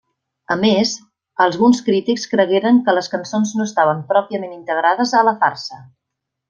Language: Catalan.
A més, alguns crítics cregueren que les cançons no estaven pròpiament integrades a la farsa.